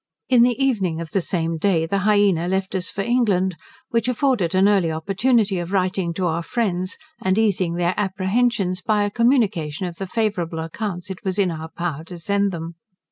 In the evening of the same day, the Hyena left us for England, which afforded an early opportunity of writing to our friends, and easing their apprehensions by a communication of the favourable accounts it was in our power to send them.